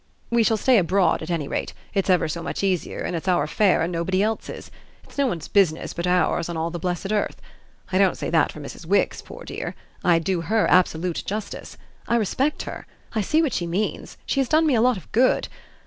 We shall stay abroad at any rate it's ever so much easier and it's our affair and nobody else's: it's no one's business but ours on all the blessed earth. I don't say that for Mrs. Wix, poor dear I do her absolute justice. I respect her; I see what she means; she has done me a lot of good.